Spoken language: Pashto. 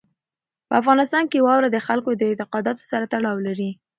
په افغانستان کې واوره د خلکو د اعتقاداتو سره تړاو لري.